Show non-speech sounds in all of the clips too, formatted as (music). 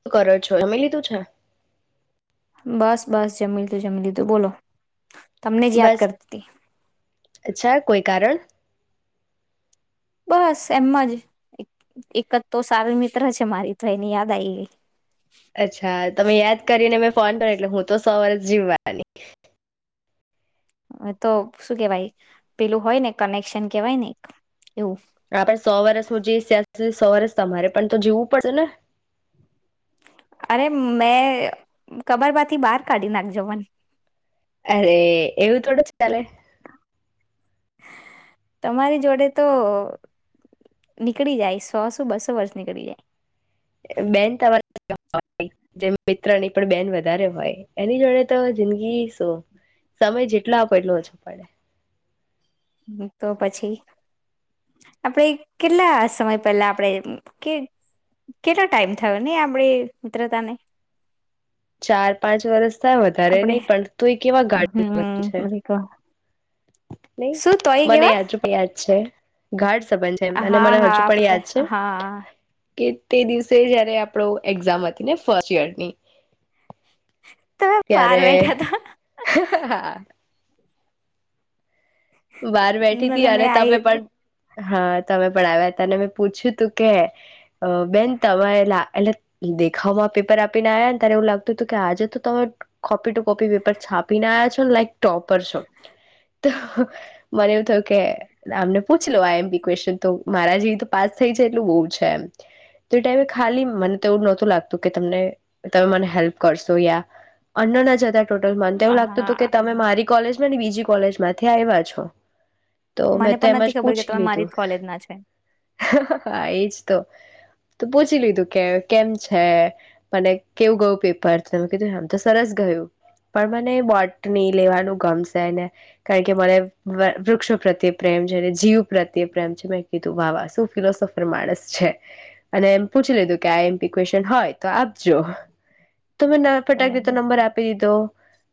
શું કરો છો જમી લીધું છે. બસ-બસ જમી લીધું જમી લીધું બોલો. તમને જ યાદ બસ કરતી અચ્છા કોઈ કારણ. બસ એમ જ એક જ તો સાર મિત્ર છે મારી તો એની યાદ આવી ગઈ. અચ્છા તમે યાદ કરીને મે ફોન પર એટલે હું તો સો વર્ષ જીવવાની. તો શું કેવાય પેલું હોય ને કનેક્શન કેવાય ને એવું. આપણે સો વર્ષ હું જીવીશ (unintelligible) સો વર્ષ તમારે પણ તો જીવું જ પડશે ને. અરે મેં કબરમાંથી બહાર કાઢી નાખ જો મને. અરે એવું થોડું જ ચાલે. તમારી જોડે તો નીકળી જાય સો સો બસો વર્ષ નીકળી જાય. બેન તમારા જેમ મિત્રની પણ બેન વધારે હોય એની જોડે તો જિંદગી શું સમય જેટલો આપો એટલો ઓછો પડે. તો પછી આપણેે કેટલા સમય પહેલા આપણેે કે કેટલો ટાઈમ થવાની આપણી મિત્રતાને. ચાર પાંચ વર્ષ થાય વધારે આપડે નહી પણ તું એ કેવા (unintelligible) બાન છે. હમ નહી શું તોય મને કેવા હજુ પણ યાદ છે. ઘાટ બંધ છે અને હા મને હા હજુ પણ આપડે યાદ છે હા કે તે દિવસે જયારે આપણો એક્ઝામ હતી ને ફર્સ્ટ ઈયર ની તમે બહાર ત્યારે બેઠા તા હ, હ, હ. બહાર બેઠી મને હતી મેં અને આવી તમે હતી પણ હા તમે પણ આવ્યા હતા ને મેં પૂછ્યું હતું કે બેન તમે એટલે દેખાવમાં પેપર આપીને આવ્યા ને ત્યારે એવું લાગતું હતું કે આજે તો તમે કોપી ટુ કોપી પેપર છાપી ના આવ્યા છો લાઈક ટોપર છો તો મને એવું થયું કે આમને પૂછ લો આઈ એમ પી ક્વેશન તો મારા જેવી પાસ થઈ જાય એટલું બહું છે એમ તો એ ટાઈમે ખાલી મને તો એવું નહોતું લાગતું કે તમને તમે મને હેલ્પ કરશો યા અન્નના જતા ટોટલ માન એવું લાગતું હતું કે હા તમે મારી કોલેજ (unintelligible) ની બીજી કોલેજ માંથી આવ્યા છો. તો મેં મને તો પણ એમાં નથી જ ખબર કે પૂછી તમે મારી લીધું જ કોલેજ ના છે હા, હા, હા એજ તો. તો પૂછી લીધું કે કેમ છે મને કેવું ગયું પેપર તમે કીધું આમ તો સરસ ગયું પણ મને બોટની લેવાનું ગમશે ને કારણ કે મને વા વૃક્ષો પ્રત્યે પ્રેમ છે અને જીવ પ્રત્યે પ્રેમ છે મેં કીધું વાવા શું ફિલોસફર માણસ છે અને એમ પૂછી લીધું કે આઈ એમ પી ક્વેશન હોય તો આપજો. તમે ના ફટાક દી તો બરાબર નંબર આપી દીધો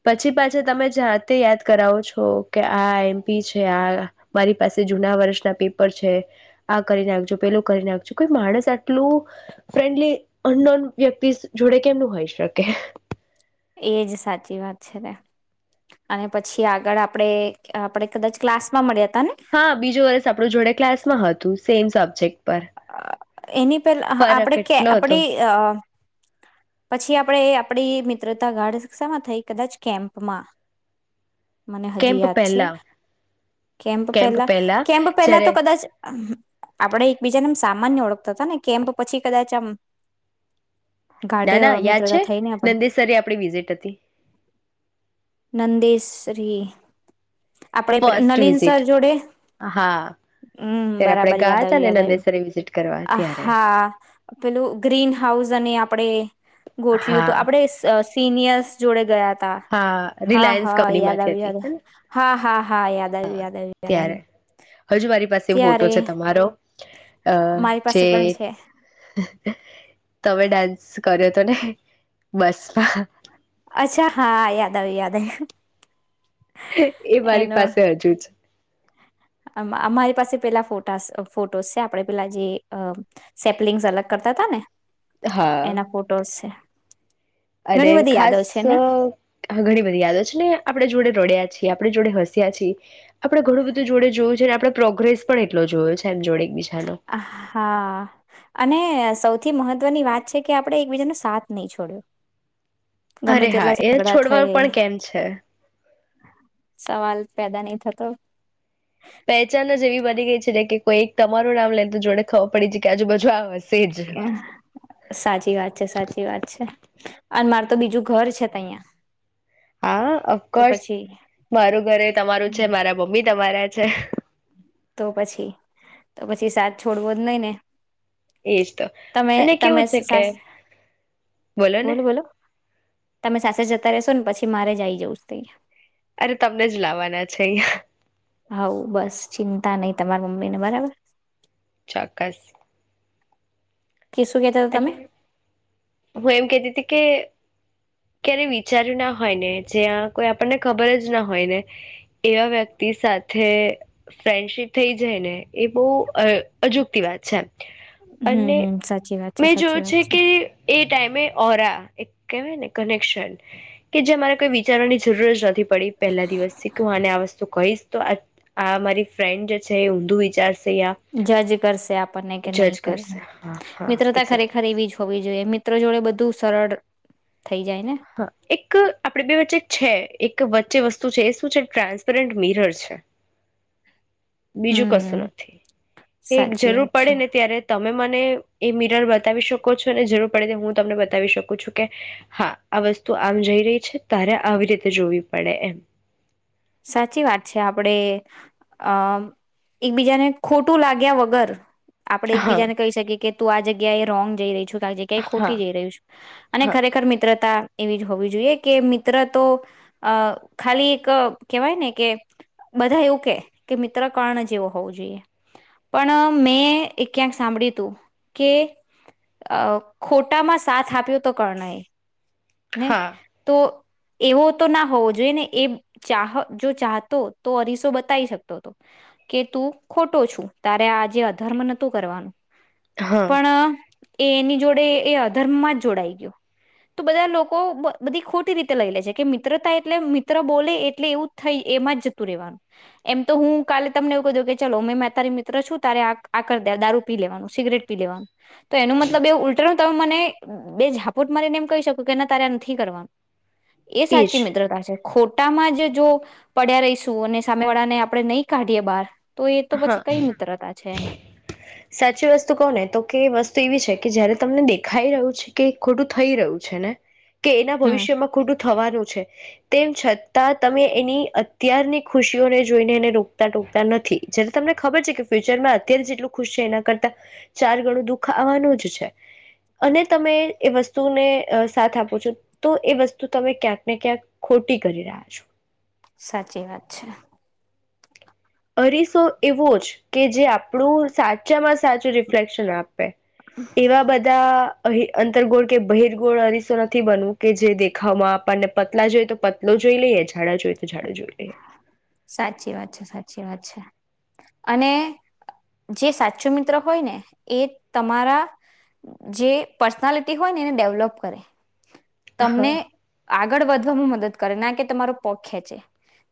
પછી પાછા તમે ઝાતે યાદ કરાવો છો કે આ એમ પી છે આ મારી પાસે જૂના વર્ષના પેપર છે આ કરી નાખજો પેલું કરી નાખજો કોઈ માણસ આટલું ફ્રેન્ડલી અનોન વ્યક્તિ જોડે કેમનું હોય શકે. એજ સાચી વાત છે ને, અને પછી આગળ આપડે આપણે કદાચ ક્લાસ માં મળ્યા હતા ને હા બીજું વર્ષ આપણું જોડે ક્લાસ માં હતું. સેમ સબ્જેક્ટ પર એની પેલા ફરક આપણેે કે એટલો હતો આપડી અ પછી આપણેે આપડી મિત્રતા ગાઢ શ્ષામાં થઈ કદાચ કેમ્પમાં મને હજી કેમ્પ યાદ છે, પહેલા કેમ્પ પહેલા કેમ્પ પહેલા તો કદાચ આપણે બીજાનેમ સામાન ની ઓળખતા હતા ને કેમ્પ પછી કદાચ આમ ગાઢ ના ના યાદ છે મિત્રતા થઈ ને આપણે નંદેસરી આપણી વિઝિટ હતી. રી. આપડે પે ફર્સ્ટ નલિન વિઝિટ સર જોડે હા હમ્મ ત્યારે આપણે બરાબર ગયા યાદ હતા આવ્યું ને યાદ આવ્યું. નંદેસરી વિઝિટ કરવા ત્યારે હા પેલું ગ્રીન હાઉસ અને આપણેે ગોઠ્યું હા તું આપણે સ સિનિયર્સ જોડે ગયા હ તા, હા હા રિલાયન્સ હા કંપની યાદ આવ્યું અરે હા હા હા યાદ આવ્યું હા યાદ આવ્યું યાદ ત્યારે આવ્યું હજુ વા (unintelligible) મોટો ત્યારે છે તમારો, અહ મારી પાસે પણ જે છે તમે ડાન્સ કર્યો તો ને બસ. અચ્છા હા, યાદ આવ્યું યાદ આવ્યું. એ મારી પાસે હજુ છ અ અમારી પાસે પેલા ફોટાસ ફોટોસ છે આપણે પેલા જે અહ સેપલિંગસ અલગ કરતા તા ને જ હા એના ફોટોસ છે. અને ઘણી બધી યાદો ખાસ છે ને ઘણી બધી યાદો છે, ને આપડે જોડે રોડ્યા છ આપણે જોડે હસ્યા છી, આપણે ઘણું બધું જોડે જોયું છે અને આપણે પ્રોગ્રેસ પણ એટલો જોયો છે એમ જોડે. એકબીજાનો હા અને ને સૌથી મહત્વની વાત છે કે આપણે એકબીજાનો સાથ નહીં છોડ્યો. ગમે અરે હા તેટલા એ ઝઘડા થય છોડવા પણ કેમ છે. સવાલ પેદા નહી થતો. પહેચાન જ એવી બની ગઈ છે જે કે કોઈક તમારું નામ લેતે જોડે ખબર પડી જાય કે આજુ બાજુ આવશ સાચી વાત છે, સાચી વાત છે. અને માર તો બીજું ઘર છે તહિંયા. આ અફકોર્સ મારું ઘર એ તમારું છે મારા મમ્મી તમારા છે. તો પછી તો પછી સાત છોડવો જ નઈ ને. એજ તો તમે અને તમે કેવું છે કે સાસ બોલો ને. તમે સાસે જતા રેશો ને પછી મારે જ આઈ જવું છ તઈ અરે તમને જ લાવવાના છે અઈયાં. હઉ બસ ચિંતા નઈ તમારા મમ્મી ને બરાબર! ચોક્કસ. કે શું કેતા હતા તમે એટલે હું એમ કેતી તી. કે ક્યારે વિચાર્યું ના હોય ને જ્યાં કોઈ આપણને ખબર જ ના હોય ને એવા વ્યક્તિ સાથે ફ્રેન્ડશીપ થઈ જાય ને એ બઉ અ અજુગતી વાત છે. હમ્મ, અને હમ્મ સાચી વાત છે મેં સાચી જોયું વાત છે કે એ ટાઈમે ઓરા એક કેવાય ને કનેક્શન કે જે મારે કોઈ વિચારવાની જરૂર જ નથી પડી પહેલા દિવસ શીખું આને આ વસ્તુ કઈશ તો આ આ મારી ફ્રેન્ડ જે છે એ ઊંધું વિચારશ જજ કરશે આપણને કે નઈ જજ કરે, કરશે હા હા મિત્ર તા એક્ઝેક્ટ ખરેખર એવી જ હોવી જોઈએ મિત્રો જોડે બધું જ સરળ થઈ જાય ને હા એક આપડે બે વચ્ચે છે એ ક વચ્ચે વસ્તુ છે એ શું છે ટ્રાન્સપેરન્ટ મિરર છે. બીજું હમ કશું નથી, એ સાચી જરૂર વાત પડે છે ને ત્યારે ત તમે મને એ મિરર બતાવી શકો છો, અને જરૂર પડે હું તમને બતાવી શકું છું કે હા આ વસ્તુ આમ જઈ રહી છે, તારે આવી રીતે જોવી પડે એમ. સાચી વાત છે આપડે અમ એકબીજાને ખોટું લાગ્યા વગર આપણે એકબીજા હા ને કહી શકીએ કે તું આ જગ્યા એ રોંગ જઈ રહી છું. ક્યા ખોટી હા જઈ રહ્યું છું, અને હા ખરેખર મિત્રતા એવી જ હોવી જોઈએ કે મિત્ર તો અ ખાલી એક કેવાય ને કે બધા એવું કે કે મિત્ર કર્ણ જેવો હોવું જોઈએ, પણ મેં એ ક્યાંક સાંભળ્યું તું કે અ ખોટામાં સાથ આપ્યો તો કર્ણ એ. ને હા તો એવો તો ના હોવો જોઈએ ને એ ચાહ જો ચાહતો તો અરીસો બતાવી શકતો હતો, કે તું ખોટો છું તારે આજે અધર્મ નતું કરવાનું હા પણ એ એની જોડે એ અધર્મમાં જ જોડાઈ ગયો તો બધા લોકો બધી ખોટી રીતે લઈ લે છે કે મિત્રતાાય એટલે મિત્ર બોલે એટલે એવું થઈ એમાં જતું રહેવાનું, એમ તો હું કાલે તમને એવું કધું કે ચાલો મે મે તારી મિત્ર છું તારે આ દારૂ પી લેવાનું, સિગરેટ પી લેવાનું તો એનો મતલબ એવુ ઉલટ તમે મને બે ઝાપુટ મરીને એમ કહી શકો તો કેને તારે નથી કરવાનું. એ સાચી મિત્રતા છે. ખોટામાં જ જો પડ્યા રહીશું અને સામે વાળાને આપણે નહી કાઢીએ બહાર તો એ તો પછી હા કઈ મિત્રતા છે એમ સાચી વસ્તુ કોને તો કે વસ્તુ એવી છે કે જયારે તમને દેખાઈ રહ્યું છે કે ખોટું થઈ રહ્યું છે ને કે એના હમ ભવિષ્યમાં ખોટું થવાનું છે. છે. તેમ છતાં તમે એની અત્યારની ખુશીઓને જોઈને એને રોકતા ટોકતા નથી. જય્યારે તમને ખબર છે કે ફ્યુચરમાં અત્યારે જેટલું ખુશ છે એના કરતાં ચાર ગણું દુઃખ આવવાનું જ છે અને તમે એ વસ્તુને અ સાથ આપો છો તો એ વસ્તુ તમે ક્યાંક ને ક્યાંક ખોટી કરી રહ્યા છો. સાચી વાત છે. અરીસો એવો જ કે જે આપણું સાચામાં સાચું રિફ્લેક્શન આપે. આપે એવા બધા અહી અંતરગોળ કે બહિરગોળ અરીસો નથી બનવું કે જે દેખાવામાં આપણને પતલા જોઈ તો પતલો જોઈ લઈએ જાડા જોઈ તો જાડો લઈએ સાચી વાત છે સાચી. વાત છે અને જે સાચું મિત્ર હોય ને એ તમારા જે પર્સનાલિટી હોય ને એને ડેવલોપ કરે. હા તમને આગ આગળ વધવામાં મદદ કરે ના કે તમારો પગ ખેચે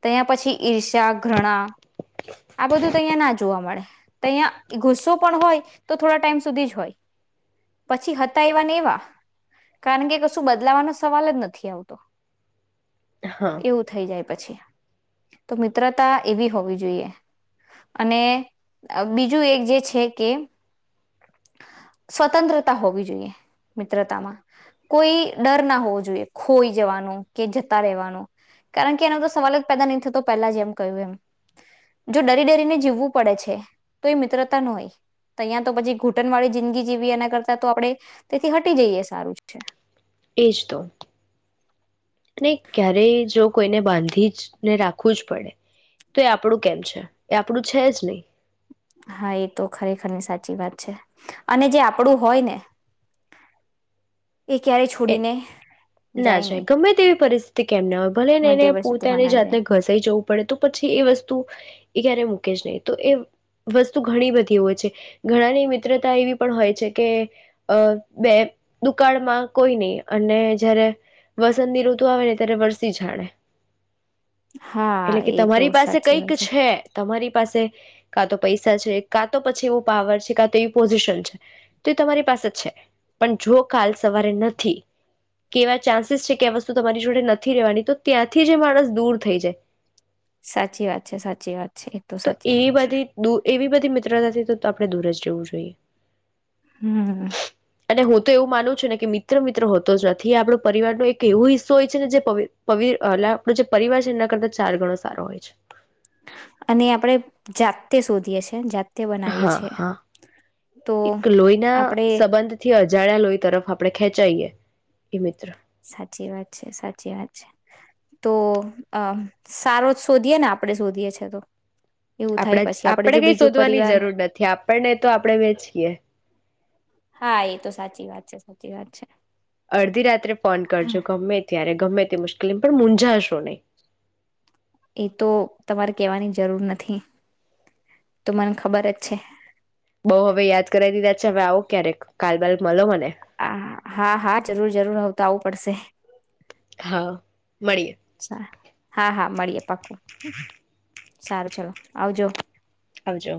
ત્યાં પછી ઈર્ષા, ઘણા. આ બધું તો અહિયાં ના જોવા મળે. ત્યાં ગુસ્સો પણ હોય તો થોડા ટાઈમ સુધી જ હોય પછી હતા એવા ને એવા કારણ કે કશું બદલાવવાનો સવાલ જ નથી આવતો હા એવું થઇ જાય પછી, તો મિત્રતા એવી હોવી જોઈએ. અને અહ બીજું એક જે છે કે સ્વતંત્રતા હોવી જોઈએ મિત્રતામાં. કોઈ ડર ના હોવો જોઈએ, ખોઈ જવાનો, કે જતા રહેવાનો, કારણ કે એનો તો સવાલ જ પેદા નહી થતો તો પહેલા જ એમ કહ્યું એમ. જો ડરી-ડરીને જીવવું પડે છે તો એ મિત્રતા નો હોય, તહીંયા તો પછી ઘૂંટણ વાળી જિંદગી જીવીએ એના કરતાં તો આપણે તેથી હટી જઈએ સારું છે. એજ તો. અને ક્યારેય જો કોઈને બાંધી જ ને રાખવું જ પડે, તો એ આપણું કેમ છે? એ આપણું છે જ નહીં. હા એ તો ખરેખરની સાચી વાત છે, અને જે આપડું હોય ને એ ક્યારેય એ છોડીને ના જાય, ગમે તેવી પરિસ્થિતિ કેમ ના હોય, ભલેને ગમે એને તે પરિસ્થિતિમાં પોતાની ના જાય જાતને ઘસાઈ જવું પડે તો પછી એ વસ્તુ એ ક્યારેય મૂકે જ નહીં, તો એ વસ્તુ ઘણી બધી હોય છે, ઘણાની મિત્રતા એવી પણ હોય છે કે અહ બે દુકાળમાં કોઈ નહીં અને જયારે વસંતી ઋતુ આવે ને ત્યારે વરસી જાણે. હા એટલે કે એ તો તમારી પાસે સાચી કંઈક વાત છે, તમારી પાસે કા તો પૈસા છે, કા તો પછી એવું પાવર છે, કા તો એવી પોઝિશન છે, તો એ તમારી પાસે છે, પણ જો કાલ સવારે નથ થી, કેવા ચાન્સીસ છે કે એ વસ્તુ તમારી જોડે નથી રહેેવાની તો ત્યાંથી જ એ માણસ દૂર થઈ જાય. સાચી વાત છે, સાચી વાત છે, એ તો સાચી વાત એવી છે. બધી (unintelligible) તો આપણે દૂર જ રહેવું જોઈએ. હમ અને હું તો એવું માનું છું ને કે મિત મિત્ર હોતો જ નથી, આપડો પરિવાર નો એક એવો હિસ્સો હોય છે ને જે પવિ પવિ એટલે આપણો જે પરિવાર છે એના કરતા ચાર ગણો સારો હોય છે. અને આપડે જાતે શોધીએ છે ન જા હાં, હાં, એક લોઈના આપણે સંબંધથી અજાણ્યા લોઈ તરફ આપડે ખેંચાઈએ એ મિત્ર સાચી વાત છે, સાચી વાત છે, તો અ સારો જ શોધીએ ને આપડે શોધીએ છે તો એવું થાય આપડા જ પછી આપડે જો કંઈ બીજું શોધવાની પરિવાર જરૂર નથી આપડને તો આપડે વે છીએ. હા એ તો સાચી વાત છે, સાચી વાત છે. અડધી રાત્રે ફોન કરજો ગમ્મે ત્યારે. ગમે તે મુશ્કિલ પણ મુંઝાશો નહીં એ તો તમારે કેવાની જરૂર નથી, તો મને ખબર જ છે. બઉ અવે યાદ કરાય દીધા છે અવે આવો ક્યારેક કાલબાલ મલો મને. આ હા હા જરૂર જરૂર અવ તો આવુ પડશે હા, મળીએે. હા હા મળીએ પાક સારું ચલો આવજો. આવજો.